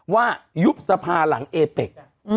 ว่ายุบสภาหลังเอปก